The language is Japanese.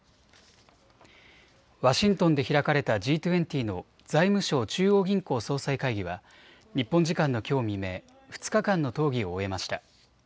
ワシントンで開かれたＧ２０の財務相・中央銀行総裁会議は日本時間のきょう未明、２日間の討議を終えました。